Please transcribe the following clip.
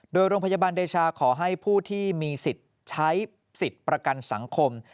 โดยโรงพยาบาลเดชาขอให้ผู้ที่มีสิทธิ์ใช้สิทธิ์ประกันสังคม